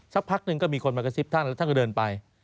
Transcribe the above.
สักพักหนึ่งก็มีคนมากระซิบท่านแล้วท่านก็เดินไป